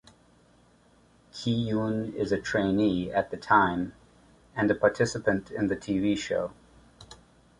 Kihyun is a trainee at the time and a participant in the TV show.